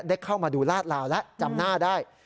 เล่นเข้ามาดูราดร้าวและจำหน้าได้